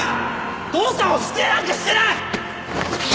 父さんは不正なんかしてない！